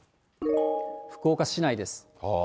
福岡市内です。